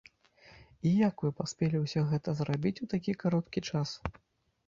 І як вы паспелі ўсё гэта зрабіць у такі кароткі час?